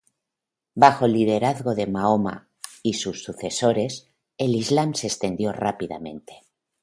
Bajo el liderazgo de Mahoma y sus sucesores, el islam se extendió rápidamente.